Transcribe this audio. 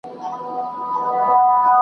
کله دي وران کړي زلزلې کله توپان وطنه .